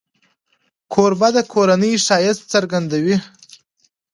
کوربه د کورنۍ ښایست څرګندوي.